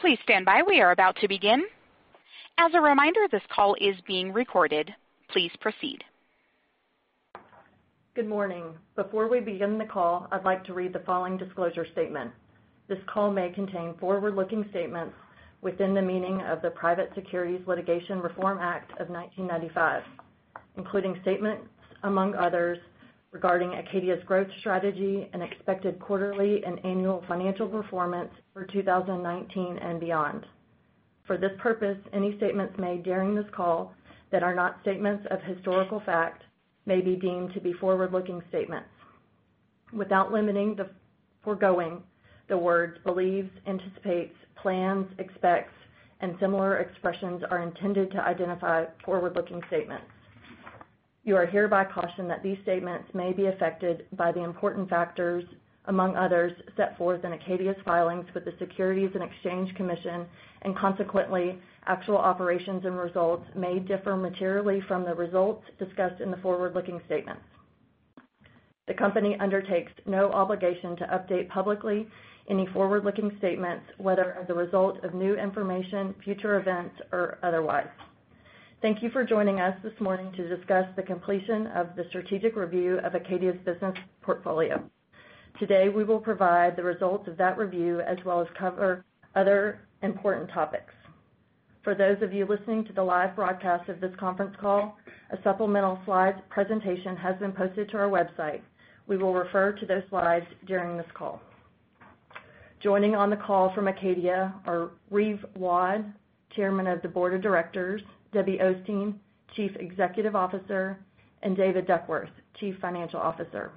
Please stand by. We are about to begin. As a reminder, this call is being recorded. Please proceed. Good morning. Before we begin the call, I'd like to read the following disclosure statement. This call may contain forward-looking statements within the meaning of the Private Securities Litigation Reform Act of 1995, including statements among others regarding Acadia's growth strategy and expected quarterly and annual financial performance for 2019 and beyond. For this purpose, any statements made during this call that are not statements of historical fact may be deemed to be forward-looking statements. Without limiting the foregoing, the words believes, anticipates, plans, expects, and similar expressions are intended to identify forward-looking statements. You are hereby cautioned that these statements may be affected by the important factors among others set forth in Acadia's filings with the Securities and Exchange Commission, and consequently, actual operations and results may differ materially from the results discussed in the forward-looking statements. The company undertakes no obligation to update publicly any forward-looking statements, whether as a result of new information, future events, or otherwise. Thank you for joining us this morning to discuss the completion of the strategic review of Acadia's business portfolio. Today, we will provide the results of that review as well as cover other important topics. For those of you listening to the live broadcast of this conference call, a supplemental slides presentation has been posted to our website. We will refer to those slides during this call. Joining on the call from Acadia are Reeve Waud, Chairman of the Board of Directors, Debbie Osteen, Chief Executive Officer, and David Duckworth, Chief Financial Officer.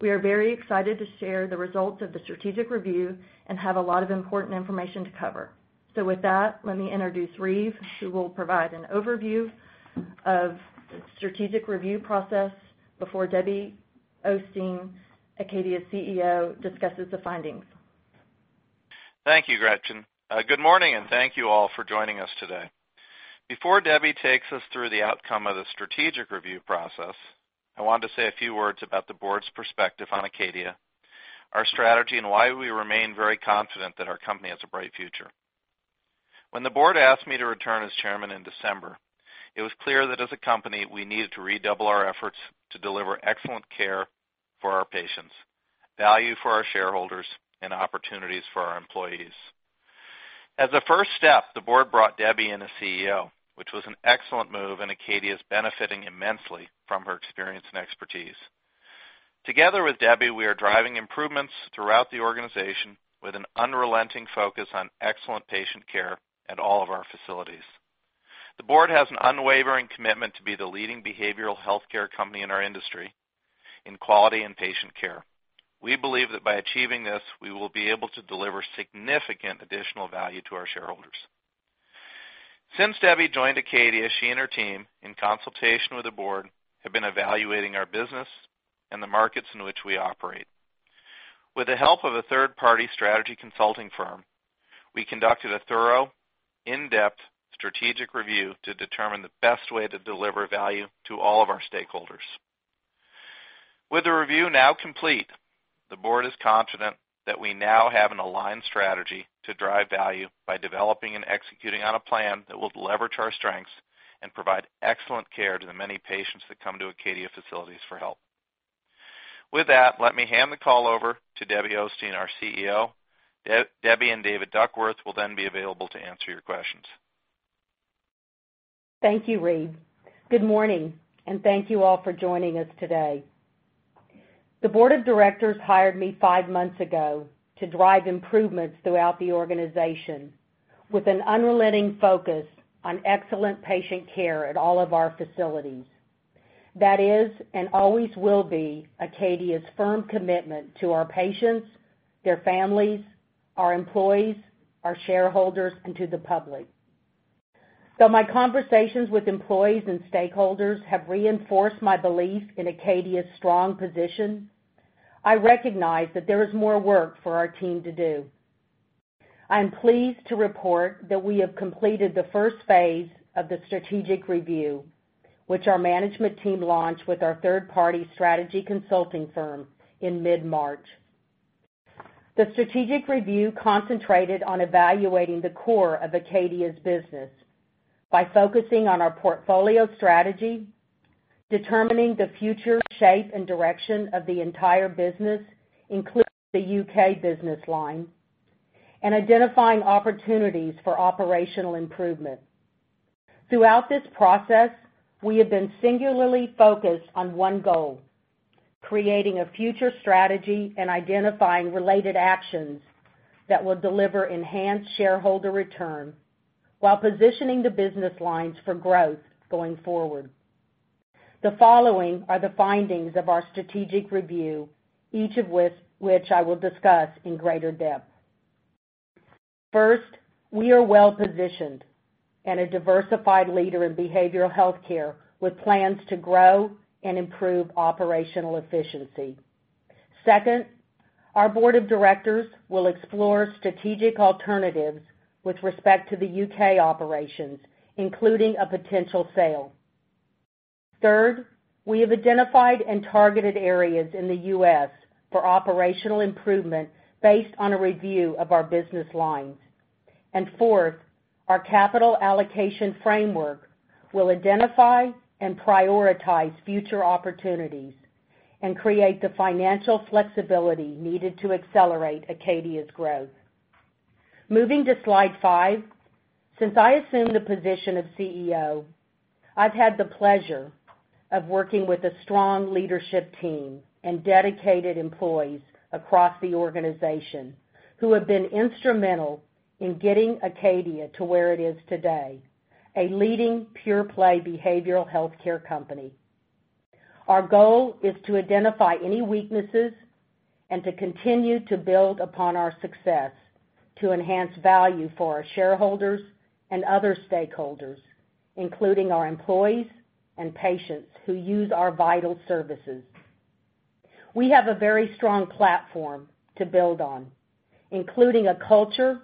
We are very excited to share the results of the strategic review and have a lot of important information to cover. With that, let me introduce Reeve, who will provide an overview of the strategic review process before Debbie Osteen, Acadia's CEO, discusses the findings. Thank you, Gretchen. Good morning, and thank you all for joining us today. Before Debbie takes us through the outcome of the strategic review process, I wanted to say a few words about the board's perspective on Acadia, our strategy, and why we remain very confident that our company has a bright future. When the board asked me to return as Chairman in December, it was clear that as a company, we needed to redouble our efforts to deliver excellent care for our patients, value for our shareholders, and opportunities for our employees. As a first step, the board brought Debbie in as CEO, which was an excellent move, and Acadia is benefiting immensely from her experience and expertise. Together with Debbie, we are driving improvements throughout the organization with an unrelenting focus on excellent patient care at all of our facilities. The board has an unwavering commitment to be the leading behavioral healthcare company in our industry in quality and patient care. We believe that by achieving this, we will be able to deliver significant additional value to our shareholders. Since Debbie joined Acadia, she and her team, in consultation with the board, have been evaluating our business and the markets in which we operate. With the help of a third-party strategy consulting firm, we conducted a thorough, in-depth strategic review to determine the best way to deliver value to all of our stakeholders. With the review now complete, the board is confident that we now have an aligned strategy to drive value by developing and executing on a plan that will leverage our strengths and provide excellent care to the many patients that come to Acadia facilities for help. With that, let me hand the call over to Debbie Osteen, our CEO. Debbie and David Duckworth will be available to answer your questions. Thank you, Reeve. Good morning, and thank you all for joining us today. The board of directors hired me five months ago to drive improvements throughout the organization with an unrelenting focus on excellent patient care at all of our facilities. That is and always will be Acadia's firm commitment to our patients, their families, our employees, our shareholders, and to the public. Though my conversations with employees and stakeholders have reinforced my belief in Acadia's strong position, I recognize that there is more work for our team to do. I'm pleased to report that we have completed the first phase of the strategic review, which our management team launched with our third-party strategy consulting firm in mid-March. The strategic review concentrated on evaluating the core of Acadia's business by focusing on our portfolio strategy, determining the future shape and direction of the entire business, including the U.K. business line, and identifying opportunities for operational improvement. Throughout this process, we have been singularly focused on one goal: creating a future strategy and identifying related actions that will deliver enhanced shareholder return while positioning the business lines for growth going forward. The following are the findings of our strategic review, each of which I will discuss in greater depth. First, we are well-positioned and a diversified leader in behavioral healthcare, with plans to grow and improve operational efficiency. Second, our board of directors will explore strategic alternatives with respect to the U.K. operations, including a potential sale. Third, we have identified and targeted areas in the U.S. for operational improvement based on a review of our business lines. Fourth, our capital allocation framework will identify and prioritize future opportunities and create the financial flexibility needed to accelerate Acadia's growth. Moving to slide five. Since I assumed the position of CEO, I've had the pleasure of working with a strong leadership team and dedicated employees across the organization who have been instrumental in getting Acadia to where it is today, a leading pure-play behavioral healthcare company. Our goal is to identify any weaknesses and to continue to build upon our success to enhance value for our shareholders and other stakeholders, including our employees and patients who use our vital services. We have a very strong platform to build on, including a culture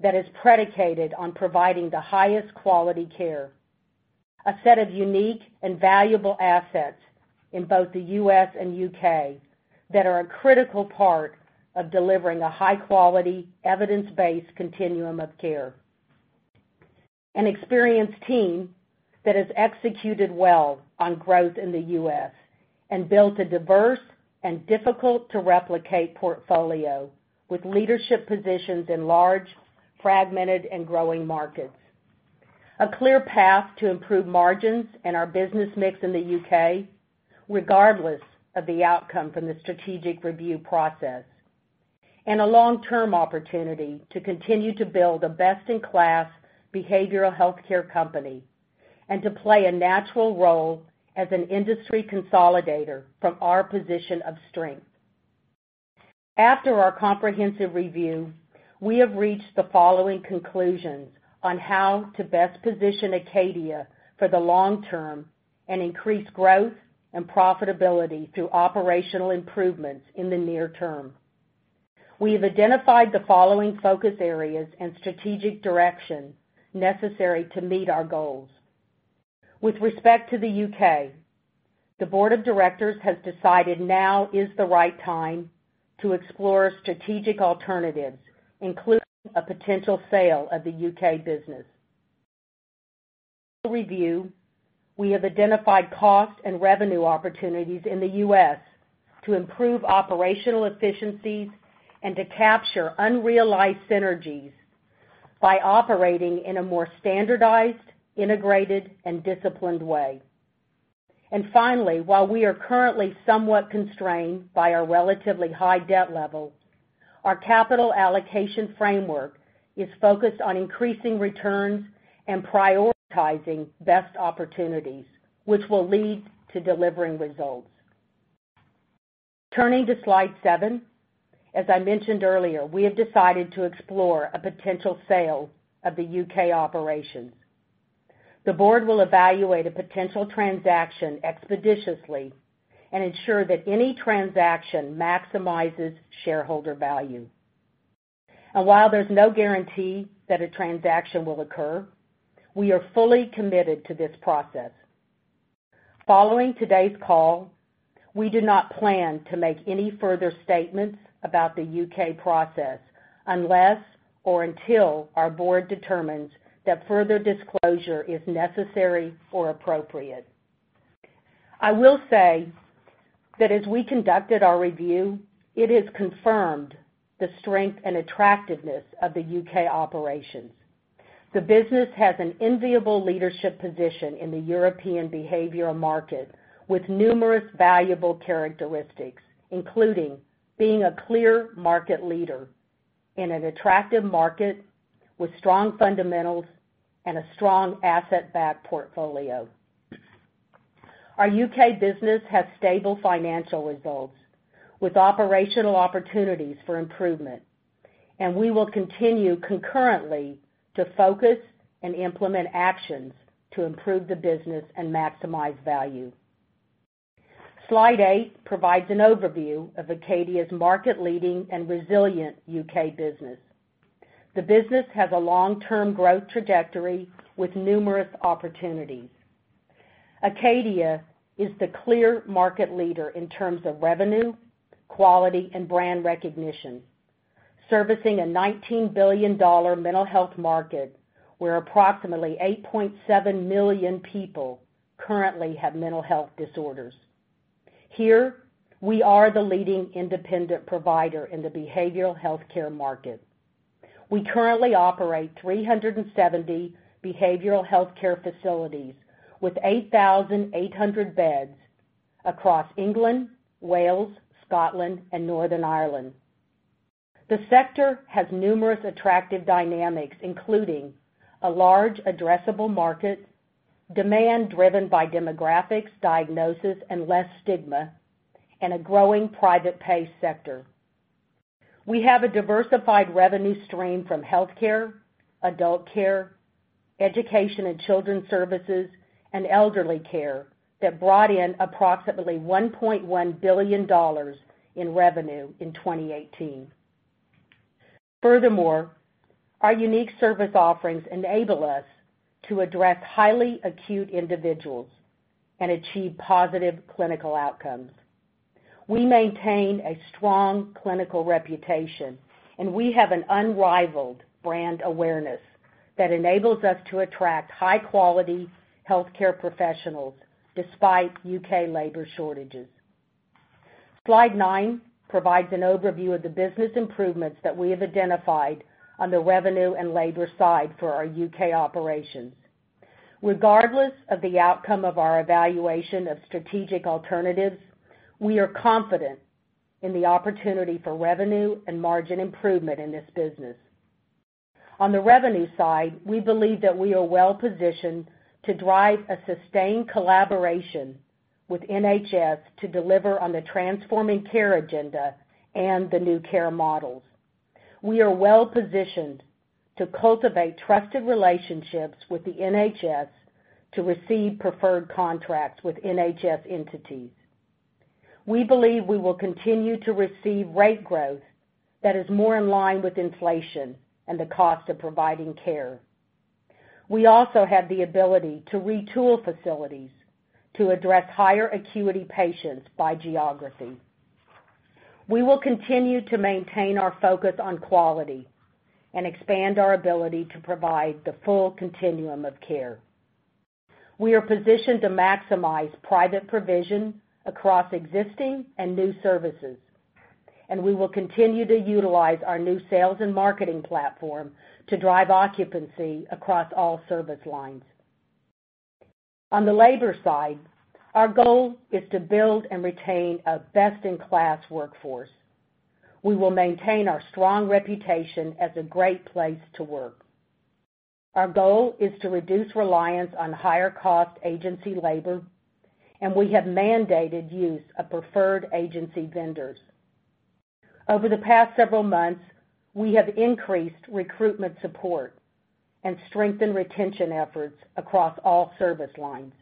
that is predicated on providing the highest quality care, a set of unique and valuable assets in both the U.S. and U.K. that are a critical part of delivering a high-quality, evidence-based continuum of care. An experienced team that has executed well on growth in the U.S. and built a diverse and difficult-to-replicate portfolio with leadership positions in large, fragmented, and growing markets. A clear path to improve margins and our business mix in the U.K., regardless of the outcome from the strategic review process. A long-term opportunity to continue to build a best-in-class behavioral healthcare company and to play a natural role as an industry consolidator from our position of strength. After our comprehensive review, we have reached the following conclusions on how to best position Acadia for the long term and increase growth and profitability through operational improvements in the near term. We have identified the following focus areas and strategic direction necessary to meet our goals. With respect to the U.K., the board of directors has decided now is the right time to explore strategic alternatives, including a potential sale of the U.K. business. Review, we have identified cost and revenue opportunities in the U.S. to improve operational efficiencies and to capture unrealized synergies by operating in a more standardized, integrated, and disciplined way. Finally, while we are currently somewhat constrained by our relatively high debt level, our capital allocation framework is focused on increasing returns and prioritizing best opportunities, which will lead to delivering results. Turning to slide seven. As I mentioned earlier, we have decided to explore a potential sale of the U.K. operations. The board will evaluate a potential transaction expeditiously and ensure that any transaction maximizes shareholder value. While there's no guarantee that a transaction will occur, we are fully committed to this process. Following today's call, we do not plan to make any further statements about the U.K. process unless or until our board determines that further disclosure is necessary or appropriate. I will say that as we conducted our review, it has confirmed the strength and attractiveness of the U.K. operations. The business has an enviable leadership position in the European behavioral market, with numerous valuable characteristics, including being a clear market leader in an attractive market with strong fundamentals and a strong asset-backed portfolio. Our U.K. business has stable financial results with operational opportunities for improvement. We will continue concurrently to focus and implement actions to improve the business and maximize value. Slide eight provides an overview of Acadia's market-leading and resilient U.K. business. The business has a long-term growth trajectory with numerous opportunities. Acadia is the clear market leader in terms of revenue, quality, and brand recognition, servicing a $19 billion mental health market where approximately 8.7 million people currently have mental health disorders. Here, we are the leading independent provider in the behavioral healthcare market. We currently operate 370 behavioral healthcare facilities with 8,800 beds across England, Wales, Scotland, and Northern Ireland. The sector has numerous attractive dynamics, including a large addressable market, demand driven by demographics, diagnosis, and less stigma, and a growing private pay sector. We have a diversified revenue stream from healthcare, adult care, education and children's services, and elderly care that brought in approximately $1.1 billion in revenue in 2018. Furthermore, our unique service offerings enable us to address highly acute individuals and achieve positive clinical outcomes. We maintain a strong clinical reputation. We have an unrivaled brand awareness that enables us to attract high-quality healthcare professionals despite U.K. labor shortages. Slide nine provides an overview of the business improvements that we have identified on the revenue and labor side for our U.K. operations. Regardless of the outcome of our evaluation of strategic alternatives, we are confident in the opportunity for revenue and margin improvement in this business. On the revenue side, we believe that we are well-positioned to drive a sustained collaboration with NHS to deliver on the Transforming Care programme and the new care models. We are well-positioned to cultivate trusted relationships with the NHS to receive preferred contracts with NHS entities. We believe we will continue to receive rate growth that is more in line with inflation and the cost of providing care. We also have the ability to retool facilities to address higher acuity patients by geography. We will continue to maintain our focus on quality and expand our ability to provide the full continuum of care. We are positioned to maximize private provision across existing and new services. We will continue to utilize our new sales and marketing platform to drive occupancy across all service lines. On the labor side, our goal is to build and retain a best-in-class workforce. We will maintain our strong reputation as a great place to work. Our goal is to reduce reliance on higher-cost agency labor. We have mandated use of preferred agency vendors. Over the past several months, we have increased recruitment support and strengthened retention efforts across all service lines.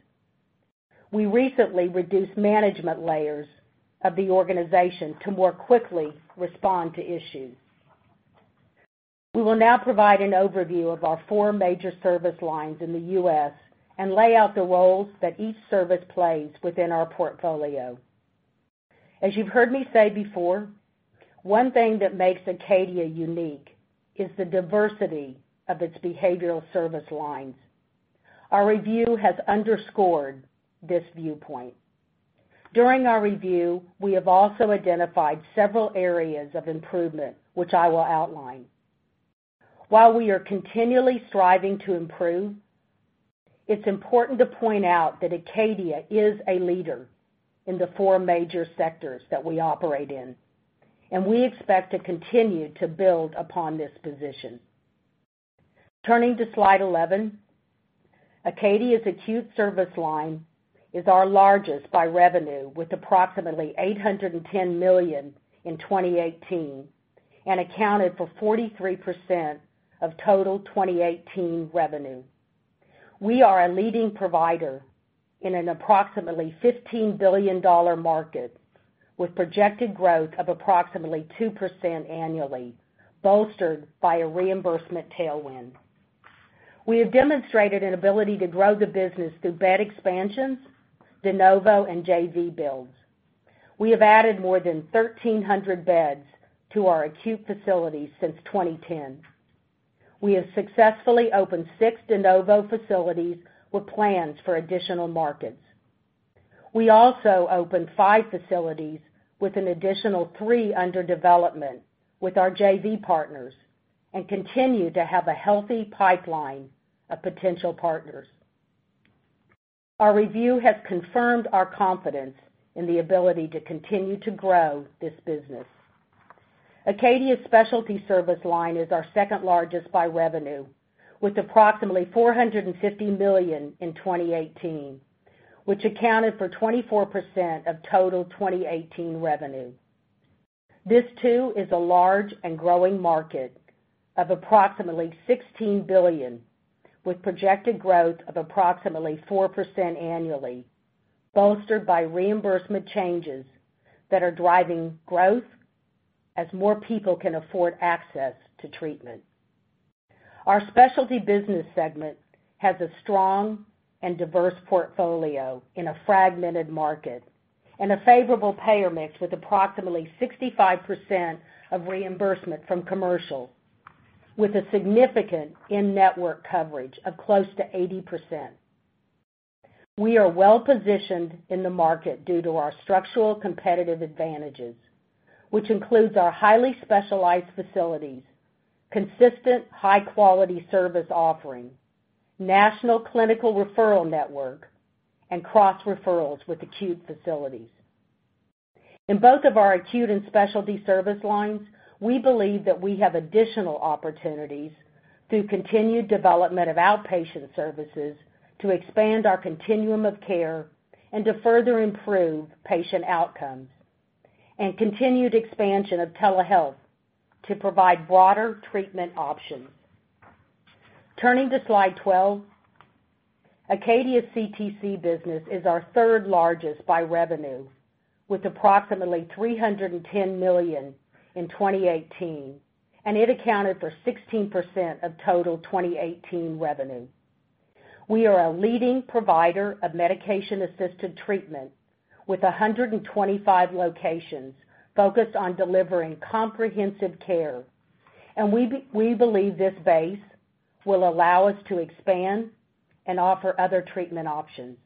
We recently reduced management layers of the organization to more quickly respond to issues. We will now provide an overview of our four major service lines in the U.S. and lay out the roles that each service plays within our portfolio. As you've heard me say before, one thing that makes Acadia unique is the diversity of its behavioral service lines. Our review has underscored this viewpoint. During our review, we have also identified several areas of improvement, which I will outline. While we are continually striving to improve, it's important to point out that Acadia is a leader in the four major sectors that we operate in, and we expect to continue to build upon this position. Turning to slide 11, Acadia's acute service line is our largest by revenue, with approximately $810 million in 2018, and accounted for 43% of total 2018 revenue. We are a leading provider in an approximately $15 billion market, with projected growth of approximately 2% annually, bolstered by a reimbursement tailwind. We have demonstrated an ability to grow the business through bed expansions, de novo, and JV builds. We have added more than 1,300 beds to our acute facilities since 2010. We have successfully opened six de novo facilities with plans for additional markets. We also opened five facilities with an additional three under development with our JV partners and continue to have a healthy pipeline of potential partners. Our review has confirmed our confidence in the ability to continue to grow this business. Acadia's specialty service line is our second-largest by revenue, with approximately $450 million in 2018, which accounted for 24% of total 2018 revenue. This, too, is a large and growing market of approximately $16 billion, with projected growth of approximately 4% annually, bolstered by reimbursement changes that are driving growth as more people can afford access to treatment. Our specialty business segment has a strong and diverse portfolio in a fragmented market and a favorable payer mix with approximately 65% of reimbursement from commercial, with a significant in-network coverage of close to 80%. We are well-positioned in the market due to our structural competitive advantages, which includes our highly specialized facilities, consistent high-quality service offering, national clinical referral network, and cross-referrals with acute facilities. In both of our acute and specialty service lines, we believe that we have additional opportunities through continued development of outpatient services to expand our continuum of care and to further improve patient outcomes, and continued expansion of telehealth to provide broader treatment options. Turning to slide 12, Acadia's CTC business is our third largest by revenue, with approximately $310 million in 2018, and it accounted for 16% of total 2018 revenue. We are a leading provider of medication-assisted treatment with 125 locations focused on delivering comprehensive care, and we believe this base will allow us to expand and offer other treatment options.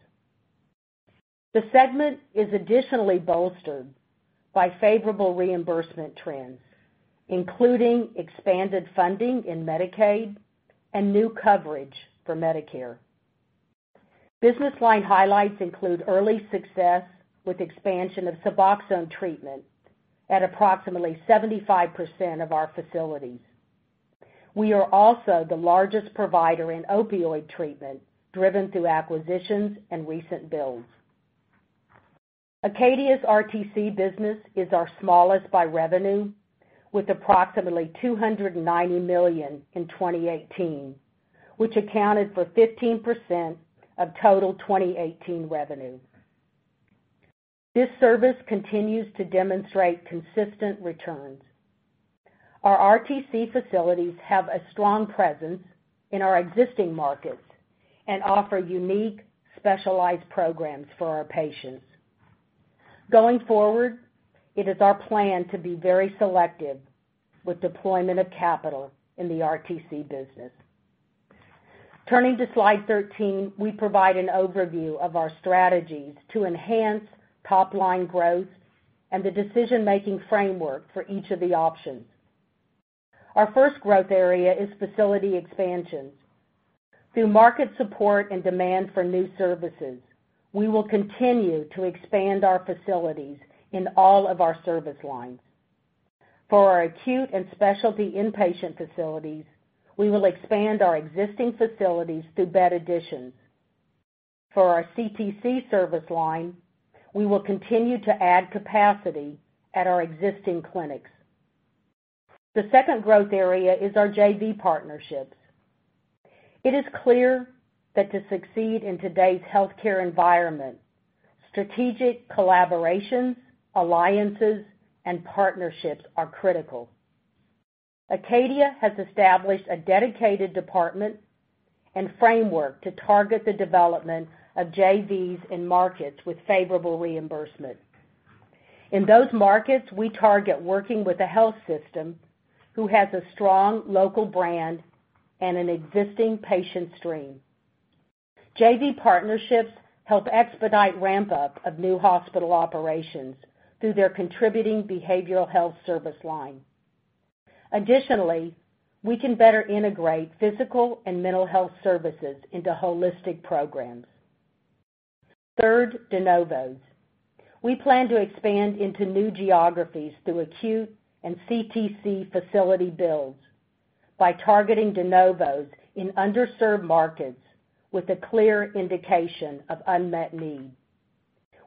The segment is additionally bolstered by favorable reimbursement trends, including expanded funding in Medicaid and new coverage for Medicare. Business line highlights include early success with expansion of SUBOXONE treatment at approximately 75% of our facilities. We are also the largest provider in opioid treatment, driven through acquisitions and recent builds. Acadia's RTC business is our smallest by revenue, with approximately $290 million in 2018, which accounted for 15% of total 2018 revenue. This service continues to demonstrate consistent returns. Our RTC facilities have a strong presence in our existing markets and offer unique, specialized programs for our patients. Going forward, it is our plan to be very selective with deployment of capital in the RTC business. Turning to slide 13, we provide an overview of our strategies to enhance top-line growth and the decision-making framework for each of the options. Our first growth area is facility expansions. Through market support and demand for new services, we will continue to expand our facilities in all of our service lines. For our acute and specialty inpatient facilities, we will expand our existing facilities through bed additions. For our CTC service line, we will continue to add capacity at our existing clinics. The second growth area is our JV partnerships. It is clear that to succeed in today's healthcare environment, strategic collaborations, alliances, and partnerships are critical. Acadia has established a dedicated department and framework to target the development of JVs in markets with favorable reimbursement. In those markets, we target working with a health system who has a strong local brand and an existing patient stream. JV partnerships help expedite ramp-up of new hospital operations through their contributing behavioral health service line. Additionally, we can better integrate physical and mental health services into holistic programs. Third, de novos. We plan to expand into new geographies through acute and CTC facility builds by targeting de novos in underserved markets with a clear indication of unmet need.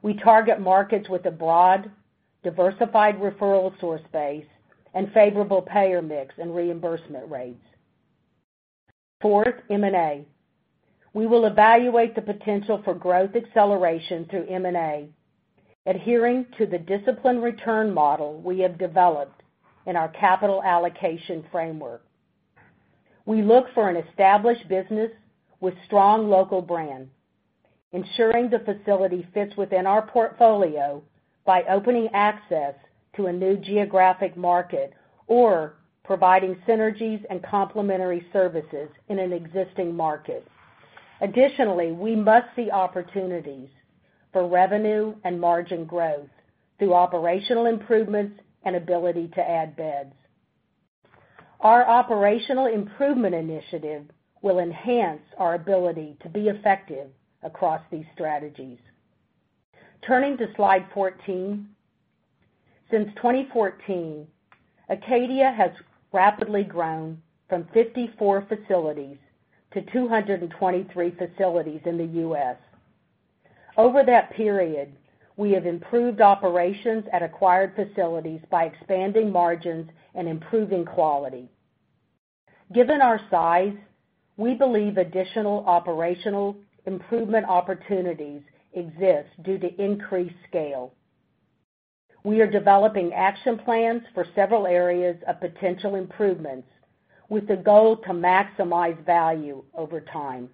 We target markets with a broad, diversified referral source base and favorable payer mix and reimbursement rates. Fourth, M&A. We will evaluate the potential for growth acceleration through M&A, adhering to the discipline return model we have developed in our capital allocation framework. We look for an established business with strong local brand, ensuring the facility fits within our portfolio by opening access to a new geographic market or providing synergies and complementary services in an existing market. Additionally, we must see opportunities for revenue and margin growth through operational improvements and ability to add beds. Our operational improvement initiative will enhance our ability to be effective across these strategies. Turning to slide 14. Since 2014, Acadia has rapidly grown from 54 facilities to 223 facilities in the U.S. Over that period, we have improved operations at acquired facilities by expanding margins and improving quality. Given our size, we believe additional operational improvement opportunities exist due to increased scale. We are developing action plans for several areas of potential improvements with the goal to maximize value over time.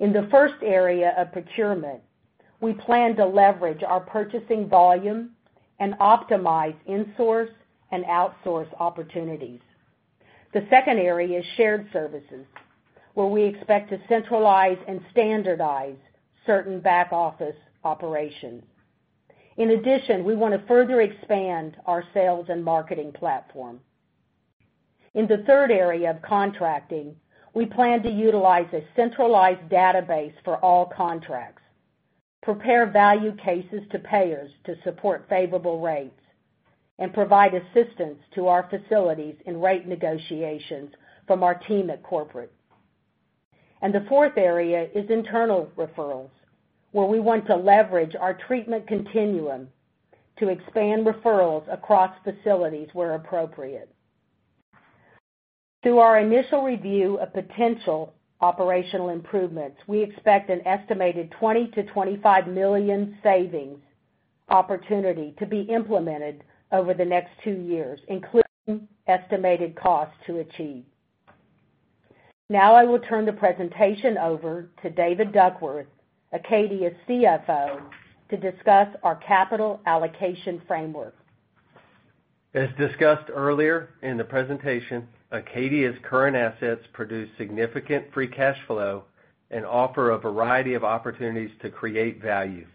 In the first area of procurement, we plan to leverage our purchasing volume and optimize insource and outsource opportunities. The second area is shared services, where we expect to centralize and standardize certain back-office operations. In addition, we want to further expand our sales and marketing platform. In the third area of contracting, we plan to utilize a centralized database for all contracts, prepare value cases to payers to support favorable rates, and provide assistance to our facilities in rate negotiations from our team at corporate. The fourth area is internal referrals, where we want to leverage our treatment continuum to expand referrals across facilities where appropriate. Through our initial review of potential operational improvements, we expect an estimated $20 million-$25 million savings opportunity to be implemented over the next two years, including estimated costs to achieve. I will turn the presentation over to David Duckworth, Acadia's CFO, to discuss our capital allocation framework. As discussed earlier in the presentation, Acadia's current assets produce significant free cash flow and offer a variety of opportunities to create value.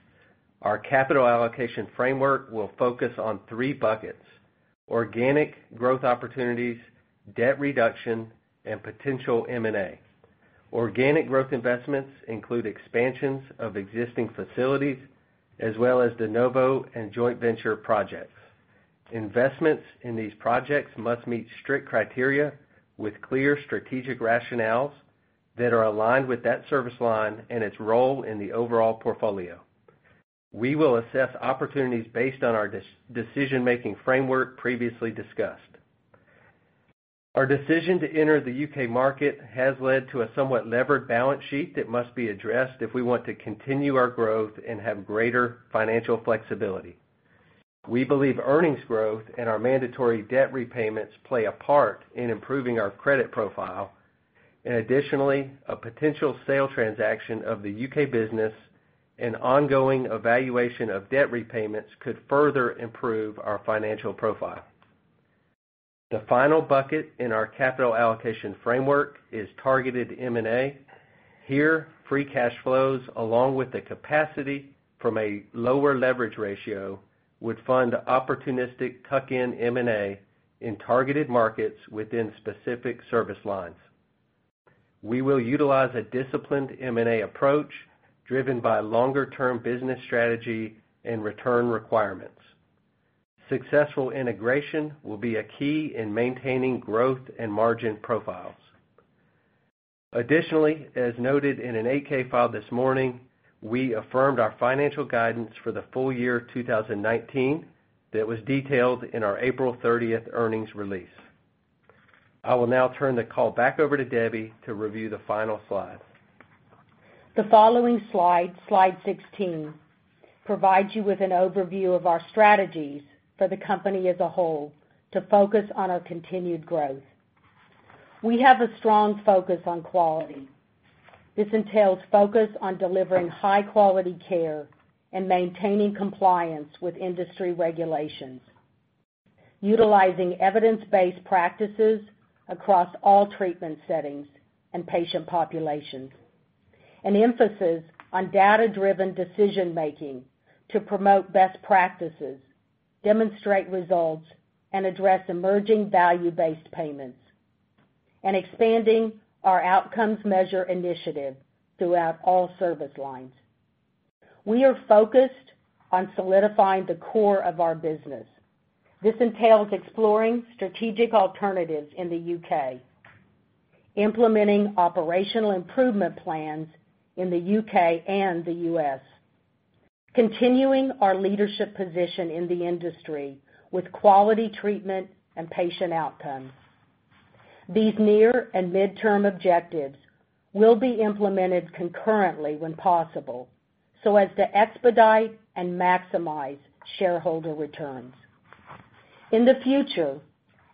Our capital allocation framework will focus on three buckets: organic growth opportunities, debt reduction, and potential M&A. Organic growth investments include expansions of existing facilities as well as de novo and joint venture projects. Investments in these projects must meet strict criteria with clear strategic rationales that are aligned with that service line and its role in the overall portfolio. We will assess opportunities based on our decision-making framework previously discussed. Our decision to enter the U.K. market has led to a somewhat levered balance sheet that must be addressed if we want to continue our growth and have greater financial flexibility. We believe earnings growth and our mandatory debt repayments play a part in improving our credit profile. Additionally, a potential sale transaction of the U.K. business and ongoing evaluation of debt repayments could further improve our financial profile. The final bucket in our capital allocation framework is targeted M&A. Here, free cash flows, along with the capacity from a lower leverage ratio, would fund opportunistic tuck-in M&A in targeted markets within specific service lines. We will utilize a disciplined M&A approach driven by longer-term business strategy and return requirements. Successful integration will be a key in maintaining growth and margin profiles. Additionally, as noted in an 8-K filed this morning, we affirmed our financial guidance for the full year 2019 that was detailed in our April 30th earnings release. I will now turn the call back over to Debbie to review the final slide. The following slide 16, provides you with an overview of our strategies for the company as a whole to focus on our continued growth. We have a strong focus on quality. This entails focus on delivering high-quality care and maintaining compliance with industry regulations, utilizing evidence-based practices across all treatment settings and patient populations, an emphasis on data-driven decision-making to promote best practices, demonstrate results, and address emerging value-based payments, and expanding our outcomes measure initiative throughout all service lines. We are focused on solidifying the core of our business. This entails exploring strategic alternatives in the U.K., implementing operational improvement plans in the U.K. and the U.S., continuing our leadership position in the industry with quality treatment and patient outcomes. These near and midterm objectives will be implemented concurrently when possible, so as to expedite and maximize shareholder returns. In the future,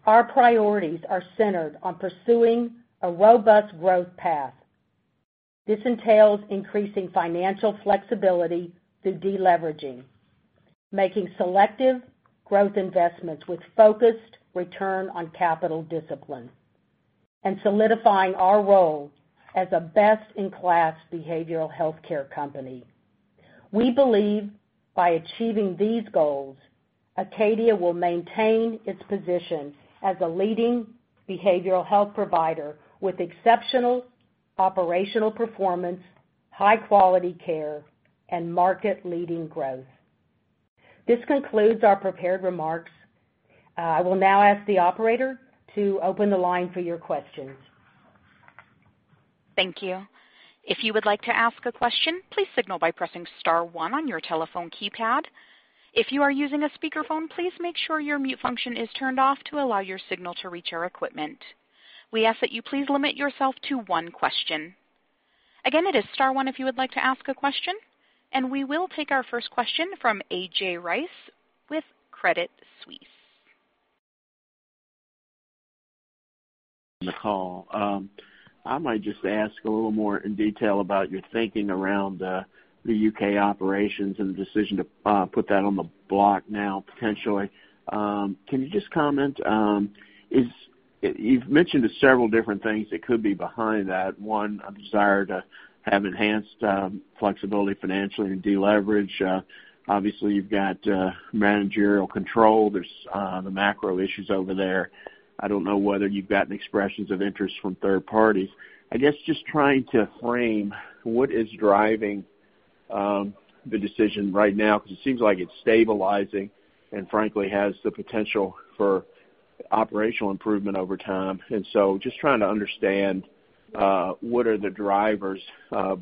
our priorities are centered on pursuing a robust growth path. This entails increasing financial flexibility through deleveraging, making selective growth investments with focused return on capital discipline, and solidifying our role as a best-in-class behavioral healthcare company. We believe by achieving these goals, Acadia will maintain its position as a leading behavioral health provider with exceptional operational performance, high-quality care, and market-leading growth. This concludes our prepared remarks. I will now ask the operator to open the line for your questions. Thank you. If you would like to ask a question, please signal by pressing star one on your telephone keypad. If you are using a speakerphone, please make sure your mute function is turned off to allow your signal to reach our equipment. We ask that you please limit yourself to one question. Again, it is star one if you would like to ask a question. We will take our first question from A.J. Rice with Credit Suisse. On the call. I might just ask a little more in detail about your thinking around the U.K. operations and the decision to put that on the block now potentially. Can you just comment, you've mentioned several different things that could be behind that. One, a desire to have enhanced flexibility financially to deleverage. Obviously, you've got managerial control. There's the macro issues over there. I don't know whether you've gotten expressions of interest from third parties. I guess just trying to frame what is driving the decision right now, because it seems like it's stabilizing, and frankly, has the potential for operational improvement over time. Just trying to understand what are the drivers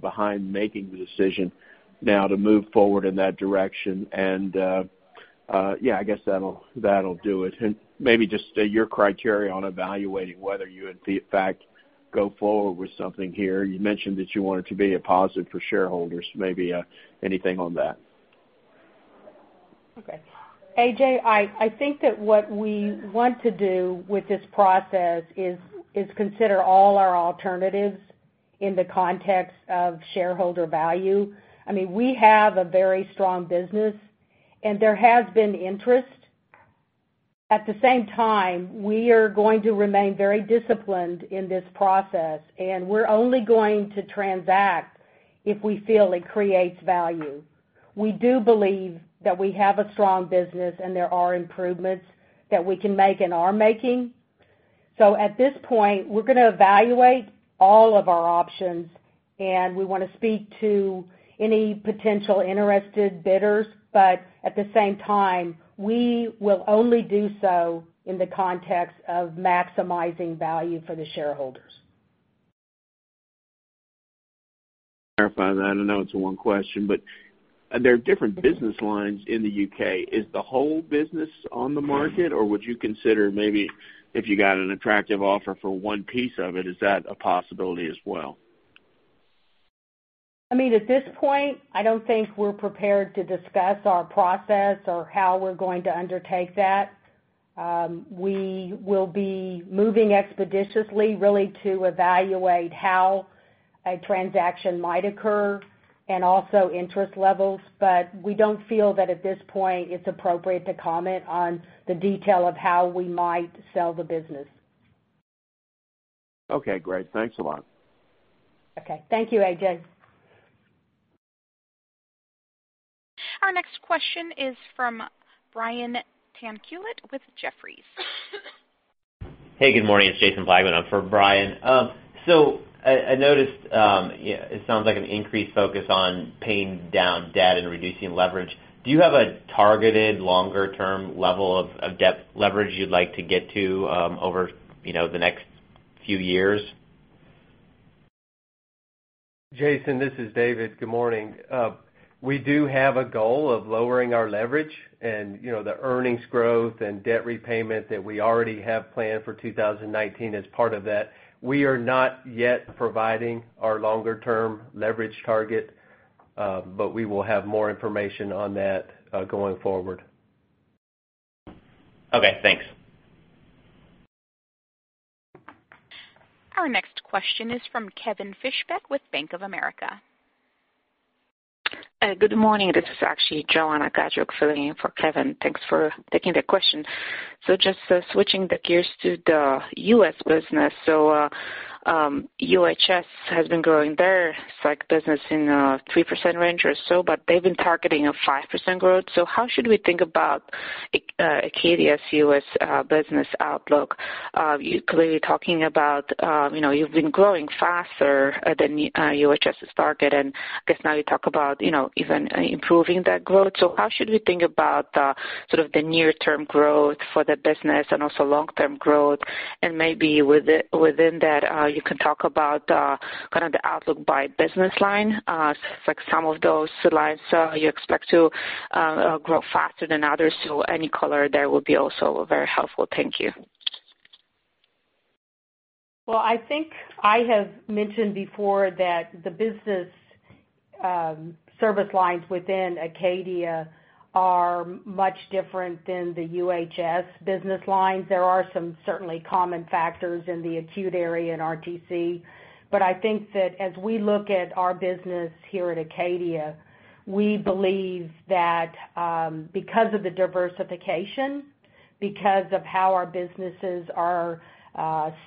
behind making the decision now to move forward in that direction. Yeah, I guess that'll do it. Maybe just state your criteria on evaluating whether you would, in fact, go forward with something here. You mentioned that you want it to be a positive for shareholders, maybe anything on that. Okay. A.J., I think that what we want to do with this process is consider all our alternatives in the context of shareholder value. We have a very strong business. There has been interest. At the same time, we are going to remain very disciplined in this process, and we're only going to transact if we feel it creates value. We do believe that we have a strong business, and there are improvements that we can make and are making. At this point, we're going to evaluate all of our options, and we want to speak to any potential interested bidders. At the same time, we will only do so in the context of maximizing value for the shareholders. Clarify that. I know it's one question, but there are different business lines in the U.K. Is the whole business on the market, or would you consider maybe if you got an attractive offer for one piece of it, is that a possibility as well? At this point, I don't think we're prepared to discuss our process or how we're going to undertake that. We will be moving expeditiously, really, to evaluate how a transaction might occur and also interest levels. We don't feel that at this point it's appropriate to comment on the detail of how we might sell the business. Okay, great. Thanks a lot. Okay. Thank you, A.J. Our next question is from Brian Tanquilut with Jefferies. Hey, good morning. It's Jason Blackman on for Brian. I noticed it sounds like an increased focus on paying down debt and reducing leverage. Do you have a targeted longer-term level of debt leverage you'd like to get to over the next few years? Jason, this is David. Good morning. We do have a goal of lowering our leverage and the earnings growth and debt repayment that we already have planned for 2019 as part of that. We are not yet providing our longer-term leverage target, but we will have more information on that going forward. Okay, thanks. Our next question is from Kevin Fischbeck with Bank of America. Good morning. This is actually Joanna Gajuk filling in for Kevin. Thanks for taking the question. Just switching the gears to the U.S. business. UHS has been growing their psych business in 3% range or so, but they've been targeting a 5% growth. How should we think about Acadia's U.S. business outlook? You're clearly talking about you've been growing faster than UHS's target, and I guess now you talk about even improving that growth. How should we think about the near-term growth for the business and also long-term growth? Maybe within that, you can talk about the outlook by business line. For some of those lines, you expect to grow faster than others. Any color there will be also very helpful. Thank you. I think I have mentioned before that the business service lines within Acadia are much different than the UHS business lines. There are some certainly common factors in the acute area and RTC. I think that as we look at our business here at Acadia, we believe that because of the diversification, because of how our businesses are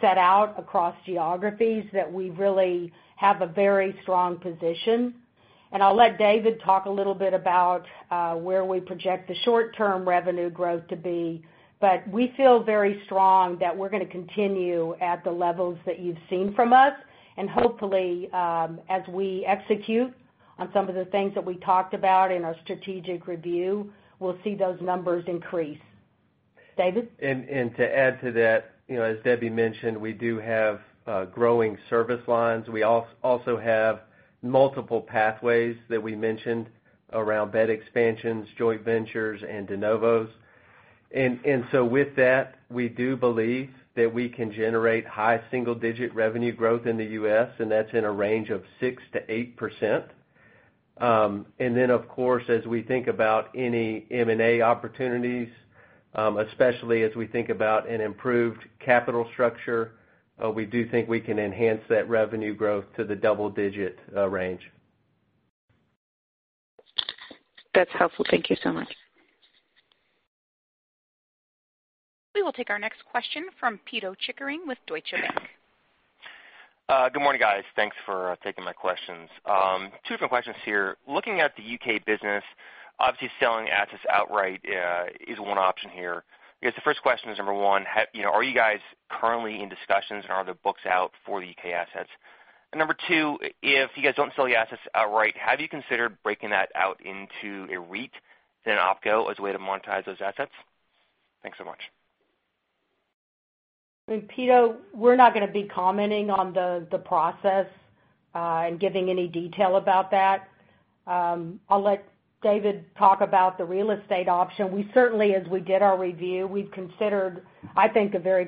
set out across geographies, that we really have a very strong position. I'll let David talk a little bit about where we project the short-term revenue growth to be. We feel very strong that we're going to continue at the levels that you've seen from us, and hopefully, as we execute on some of the things that we talked about in our strategic review, we'll see those numbers increase. David? To add to that, as Debbie mentioned, we do have growing service lines. We also have multiple pathways that we mentioned around bed expansions, joint ventures, and de novos. With that, we do believe that we can generate high single-digit revenue growth in the U.S., and that's in a range of 6%-8%. Of course, as we think about any M&A opportunities, especially as we think about an improved capital structure, we do think we can enhance that revenue growth to the double-digit range. That's helpful. Thank you so much. We will take our next question from Pito Chickering with Deutsche Bank. Good morning, guys. Thanks for taking my questions. Two different questions here. Looking at the U.K. business Obviously, selling assets outright is one option here. I guess the first question is, number 1, are you guys currently in discussions and are the books out for the U.K. assets? Number 2, if you guys don't sell the assets outright, have you considered breaking that out into a REIT, then OpCo as a way to monetize those assets? Thanks so much. Pito, we're not going to be commenting on the process, and giving any detail about that. I'll let David talk about the real estate option. We certainly, as we did our review, we've considered it in a very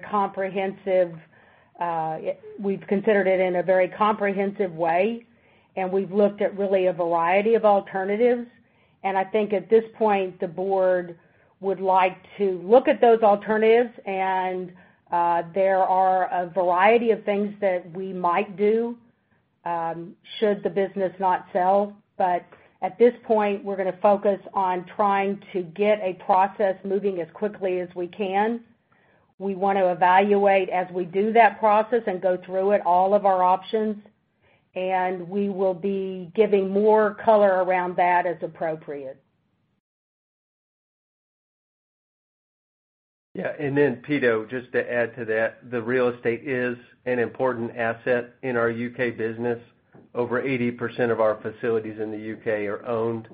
comprehensive way, and we've looked at really a variety of alternatives. I think at this point, the board would like to look at those alternatives, and there are a variety of things that we might do, should the business not sell. At this point, we're going to focus on trying to get a process moving as quickly as we can. We want to evaluate as we do that process and go through it all of our options, and we will be giving more color around that as appropriate. Yeah. Pito, just to add to that, the real estate is an important asset in our U.K. business. Over 80% of our facilities in the U.K. are owned.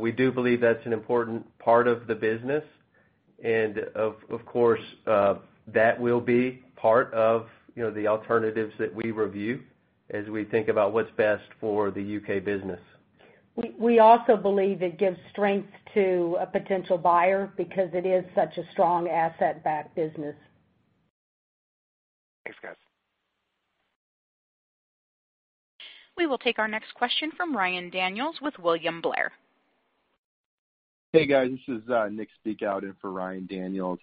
We do believe that's an important part of the business. Of course, that will be part of the alternatives that we review as we think about what's best for the U.K. business. We also believe it gives strength to a potential buyer because it is such a strong asset-backed business. Thanks, guys. We will take our next question from Ryan Daniels with William Blair. Hey, guys. This is Nick speaking out in for Ryan Daniels.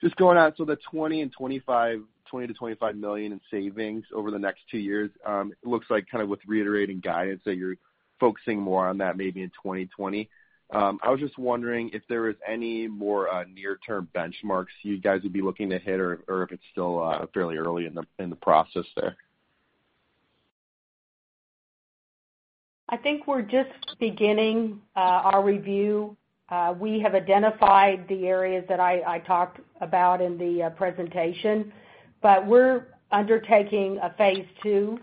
Just going out, the $20 million to $25 million in savings over the next two years, it looks like kind of with reiterating guidance that you're focusing more on that maybe in 2020. I was just wondering if there was any more near-term benchmarks you guys would be looking to hit or if it's still fairly early in the process there. I think we're just beginning our review. We have identified the areas that I talked about in the presentation. We're undertaking a phase two,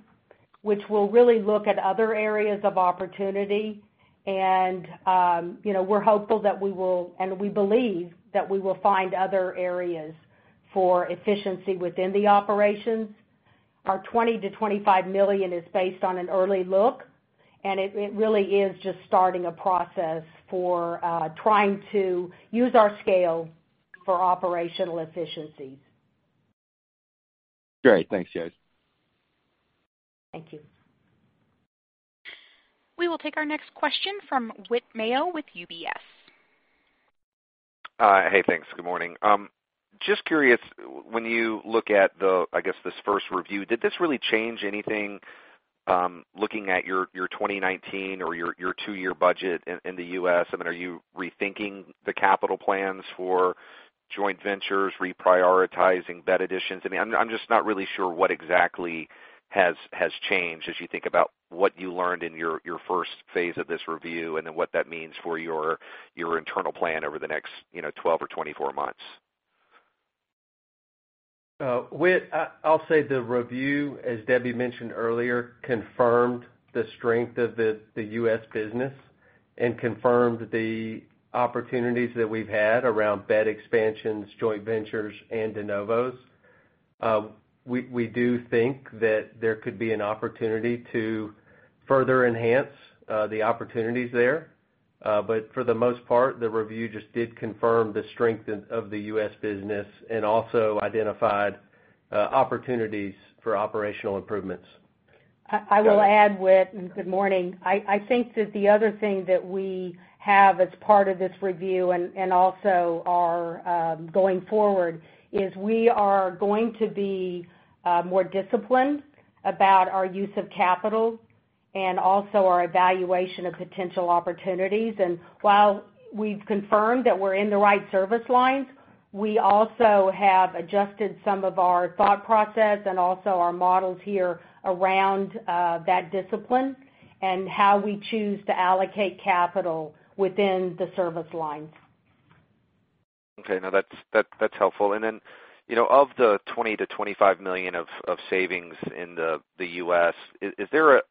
which will really look at other areas of opportunity. We're hopeful that we will, and we believe that we will find other areas for efficiency within the operations. Our $20 million to $25 million is based on an early look, and it really is just starting a process for trying to use our scale for operational efficiencies. Great. Thanks, guys. Thank you. We will take our next question from Whit Mayo with UBS. Hey, thanks. Good morning. Just curious, when you look at the, I guess this first review, did this really change anything, looking at your 2019 or your two-year budget in the U.S.? I mean, are you rethinking the capital plans for joint ventures, reprioritizing bed additions? I'm just not really sure what exactly has changed as you think about what you learned in your first phase of this review, and then what that means for your internal plan over the next 12 or 24 months. Whit, I'll say the review, as Debbie mentioned earlier, confirmed the strength of the U.S. business and confirmed the opportunities that we've had around bed expansions, joint ventures, and de novos. We do think that there could be an opportunity to further enhance the opportunities there. For the most part, the review just did confirm the strength of the U.S. business and also identified opportunities for operational improvements. I will add, Whit, and good morning. I think that the other thing that we have as part of this review and also are going forward, is we are going to be more disciplined about our use of capital and also our evaluation of potential opportunities. While we've confirmed that we're in the right service lines, we also have adjusted some of our thought process and also our models here around that discipline and how we choose to allocate capital within the service lines. Okay. No, that's helpful. Of the $20 million-$25 million of savings in the U.S., is there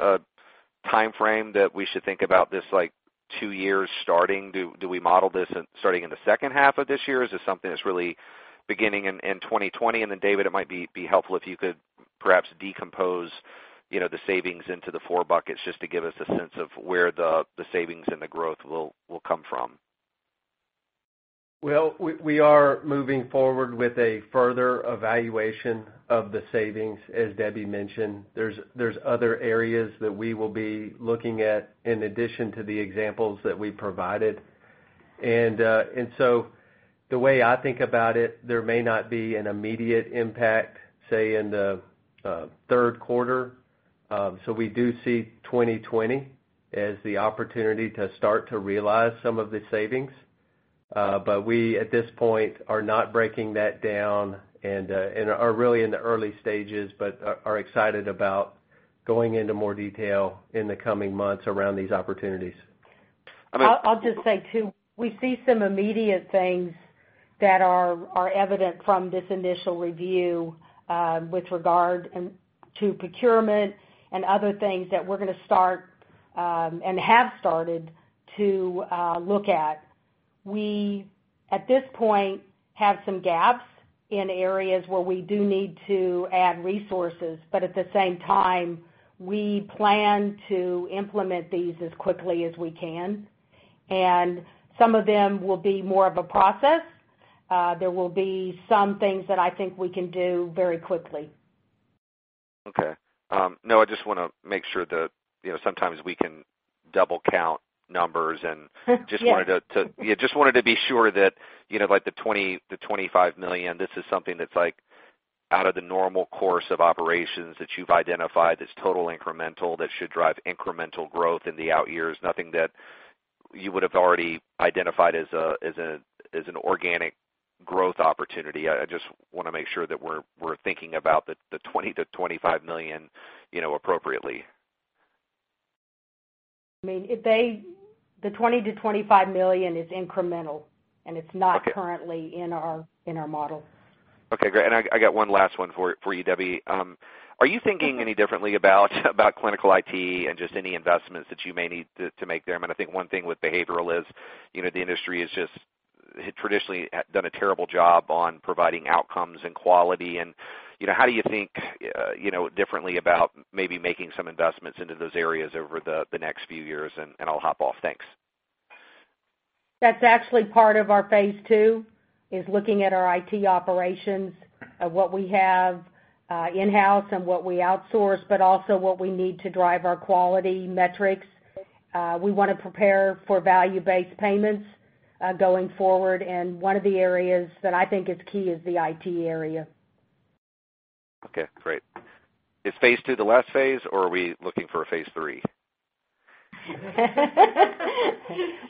a timeframe that we should think about this like 2 years starting? Do we model this starting in the second half of this year, or is this something that's really beginning in 2020? David, it might be helpful if you could perhaps decompose the savings into the 4 buckets just to give us a sense of where the savings and the growth will come from. Well, we are moving forward with a further evaluation of the savings, as Debbie mentioned. There's other areas that we will be looking at in addition to the examples that we provided. The way I think about it, there may not be an immediate impact, say in the third quarter. We do see 2020 as the opportunity to start to realize some of the savings. But we, at this point, are not breaking that down and are really in the early stages, but are excited about going into more detail in the coming months around these opportunities. I'll just say, too, we see some immediate things that are evident from this initial review with regard to procurement and other things that we're going to start, and have started, to look at. We, at this point, have some gaps in areas where we do need to add resources. At the same time, we plan to implement these as quickly as we can. Some of them will be more of a process. There will be some things that I think we can do very quickly. Okay. No, I just want to make sure that, sometimes we can double count numbers. Yeah just wanted to be sure that the $20 million-$25 million, this is something that's out of the normal course of operations that you've identified that's total incremental, that should drive incremental growth in the out years. Nothing that you would've already identified as an organic growth opportunity. I just want to make sure that we're thinking about the $20 million-$25 million appropriately. The $20 million-$25 million is incremental, and it's not. Okay currently in our model. Okay, great. I got one last one for you, Debbie. Are you thinking any differently about clinical IT and just any investments that you may need to make there? I think one thing with behavioral is, the industry had traditionally done a terrible job on providing outcomes and quality, how do you think differently about maybe making some investments into those areas over the next few years, and I'll hop off. Thanks. That's actually part of our phase 2, is looking at our IT operations of what we have in-house and what we outsource, but also what we need to drive our quality metrics. We want to prepare for value-based payments going forward, one of the areas that I think is key is the IT area. Okay, great. Is phase 2 the last phase, or are we looking for a phase 3?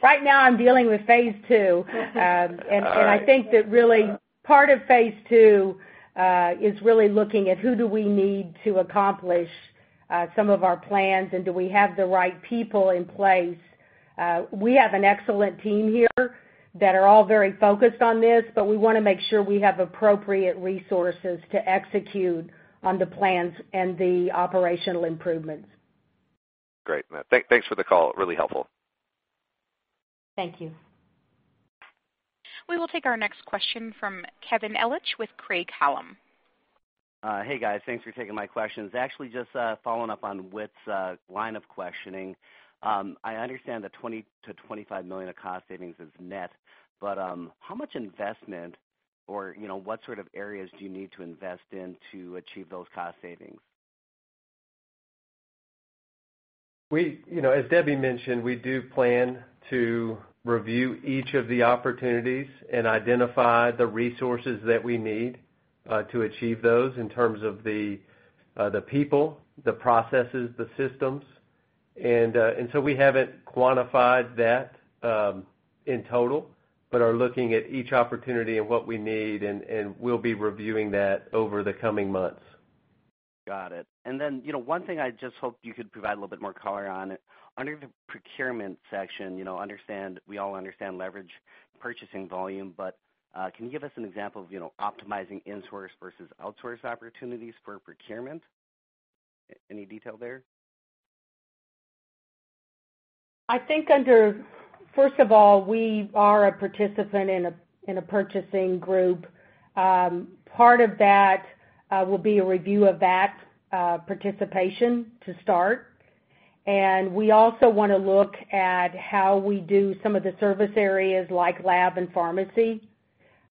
Right now I'm dealing with phase II. I think that really part of phase II is really looking at who do we need to accomplish some of our plans, and do we have the right people in place. We have an excellent team here that are all very focused on this, but we want to make sure we have appropriate resources to execute on the plans and the operational improvements. Great. Thanks for the call. Really helpful. Thank you. We will take our next question from Kevin Ellich with Craig-Hallum. Hey, guys. Thanks for taking my questions. Actually, just following up on Whit's line of questioning. I understand the $20 million-$25 million of cost savings is net. How much investment or what sort of areas do you need to invest in to achieve those cost savings? As Debbie mentioned, we do plan to review each of the opportunities and identify the resources that we need to achieve those in terms of the people, the processes, the systems. We haven't quantified that in total, are looking at each opportunity and what we need, and we'll be reviewing that over the coming months. Got it. One thing I just hoped you could provide a little bit more color on. Under the procurement section, we all understand leverage purchasing volume. Can you give us an example of optimizing insource versus outsource opportunities for procurement? Any detail there? First of all, we are a participant in a purchasing group. Part of that will be a review of that participation to start. We also want to look at how we do some of the service areas like lab and pharmacy,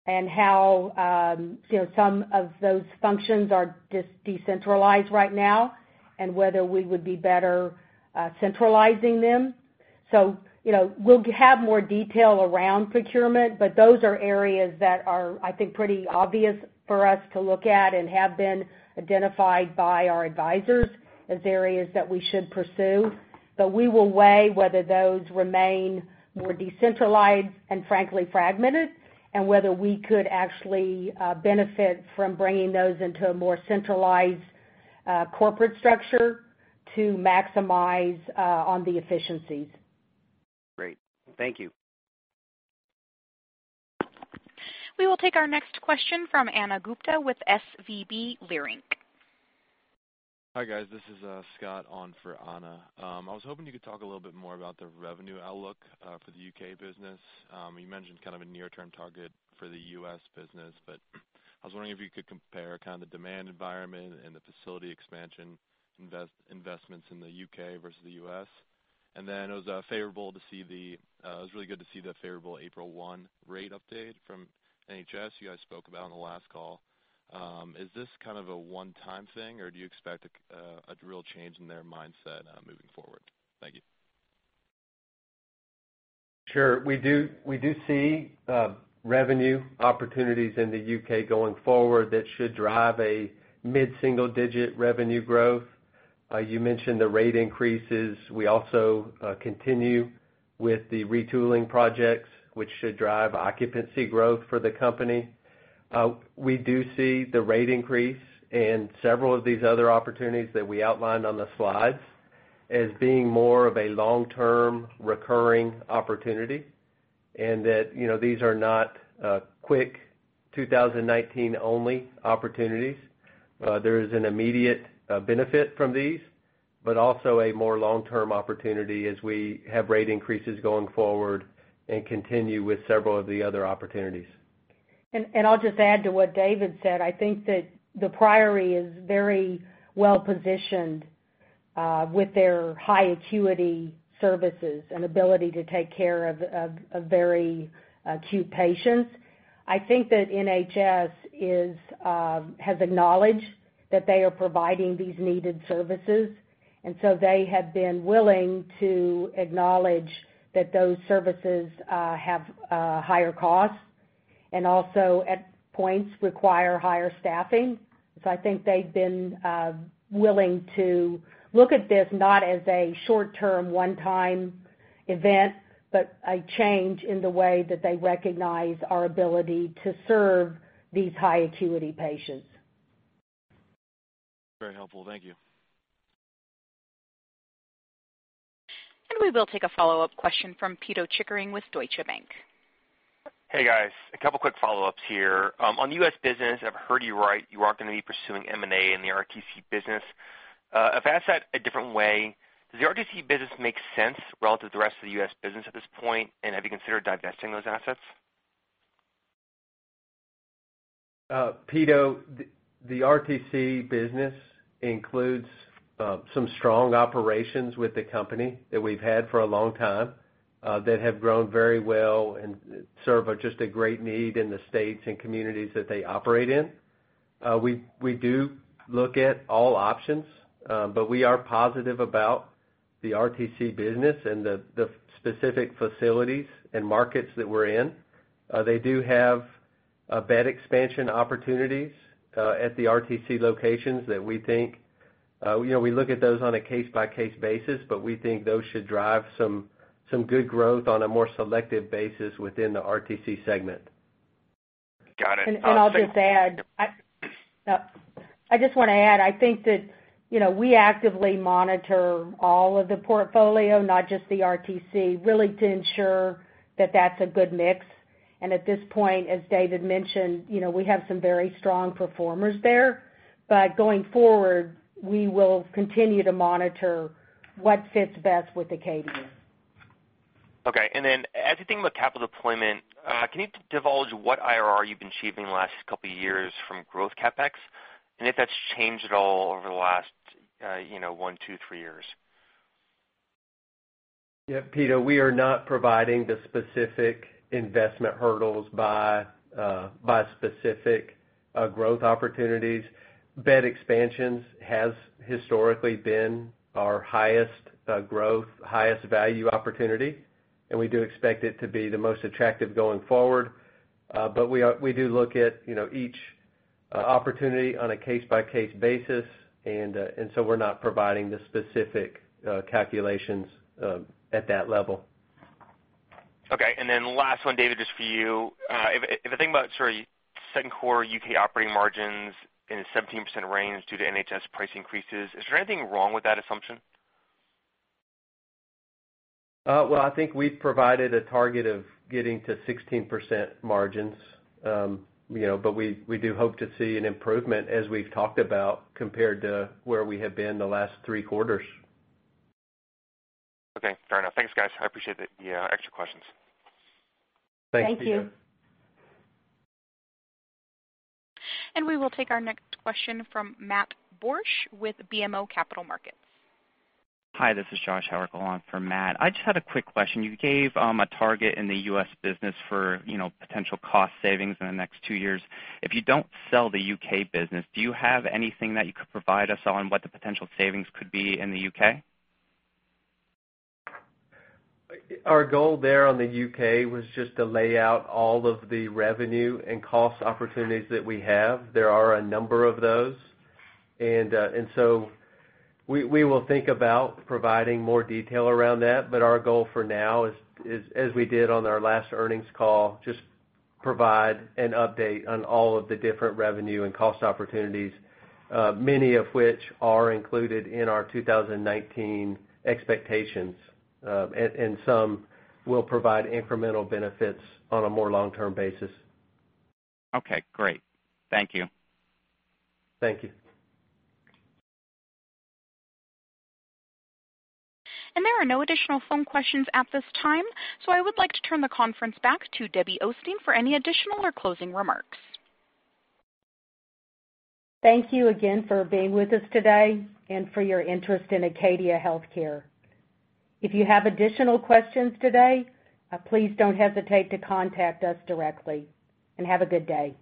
and how some of those functions are decentralized right now and whether we would be better centralizing them. We'll have more detail around procurement, those are areas that are, I think, pretty obvious for us to look at and have been identified by our advisors as areas that we should pursue. We will weigh whether those remain more decentralized and frankly fragmented, and whether we could actually benefit from bringing those into a more centralized corporate structure to maximize on the efficiencies. Great. Thank you. We will take our next question from Ana Gupte with SVB Leerink. Hi, guys. This is Scott on for Ana. I was hoping you could talk a little bit more about the revenue outlook for the U.K. business. You mentioned kind of a near-term target for the U.S. business, I was wondering if you could compare the demand environment and the facility expansion investments in the U.K. versus the U.S. Then it was really good to see the favorable April 1 rate update from NHS you guys spoke about on the last call. Is this kind of a one-time thing, or do you expect a real change in their mindset moving forward? Thank you. Sure. We do see revenue opportunities in the U.K. going forward that should drive a mid-single-digit revenue growth. You mentioned the rate increases. We also continue with the retooling projects, which should drive occupancy growth for the company. We do see the rate increase and several of these other opportunities that we outlined on the slides as being more of a long-term recurring opportunity, these are not quick 2019-only opportunities. There is an immediate benefit from these, also a more long-term opportunity as we have rate increases going forward and continue with several of the other opportunities. I'll just add to what David said. I think that The Priory is very well-positioned with their high acuity services and ability to take care of very acute patients. I think that NHS has acknowledged that they are providing these needed services. They have been willing to acknowledge that those services have higher costs and also at points require higher staffing. I think they've been willing to look at this not as a short-term, one-time event, but a change in the way that they recognize our ability to serve these high acuity patients. Very helpful. Thank you. We will take a follow-up question from Pito Chickering with Deutsche Bank. Hey, guys. A couple quick follow-ups here. On the U.S. business, I've heard you right, you aren't going to be pursuing M&A in the RTC business. If asked that a different way, does the RTC business make sense relative to the rest of the U.S. business at this point? Have you considered divesting those assets? Pito, the RTC business includes some strong operations with the company that we've had for a long time that have grown very well and serve just a great need in the states and communities that they operate in. We do look at all options, but we are positive about the RTC business and the specific facilities and markets that we're in. We look at those on a case-by-case basis, but we think those should drive some good growth on a more selective basis within the RTC segment. Got it. I'll just add. I just want to add, I think that we actively monitor all of the portfolio, not just the RTC, really to ensure that that's a good mix. At this point, as David mentioned, we have some very strong performers there. Going forward, we will continue to monitor what fits best with Acadia. Okay. As you think about capital deployment, can you divulge what IRR you've been achieving the last couple of years from growth CapEx, if that's changed at all over the last one, two, three years? Yeah, Pito, we are not providing the specific investment hurdles by specific growth opportunities. Bed expansions has historically been our highest growth, highest value opportunity, and we do expect it to be the most attractive going forward. We do look at each opportunity on a case-by-case basis, we're not providing the specific calculations at that level. Okay. Last one, David, just for you. If I think about, sorry, second quarter U.K. operating margins in the 17% range due to NHS price increases, is there anything wrong with that assumption? Well, I think we've provided a target of getting to 16% margins, we do hope to see an improvement as we've talked about compared to where we have been the last three quarters. Okay, fair enough. Thanks, guys. I appreciate the extra questions. Thanks, Pito. Thank you. We will take our next question from Matt Borsch with BMO Capital Markets. Hi, this is Josh on for Matt. I just had a quick question. You gave a target in the U.S. business for potential cost savings in the next two years. If you don't sell the U.K. business, do you have anything that you could provide us on what the potential savings could be in the U.K.? Our goal there on the U.K. was just to lay out all of the revenue and cost opportunities that we have. There are a number of those. We will think about providing more detail around that. Our goal for now is, as we did on our last earnings call, just provide an update on all of the different revenue and cost opportunities, many of which are included in our 2019 expectations. Some will provide incremental benefits on a more long-term basis. Okay, great. Thank you. Thank you. There are no additional phone questions at this time, I would like to turn the conference back to Debbie Osteen for any additional or closing remarks. Thank you again for being with us today and for your interest in Acadia Healthcare. If you have additional questions today, please don't hesitate to contact us directly. Have a good day.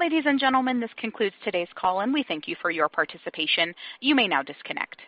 Ladies and gentlemen, this concludes today's call, and we thank you for your participation. You may now disconnect.